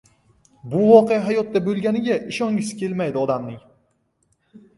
Bu voqea hayotda boʻlganiga ishongisi kelmaydi odamning.